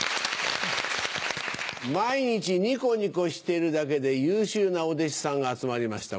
毎日ニコニコしてるだけで優秀なお弟子さんが集まりました。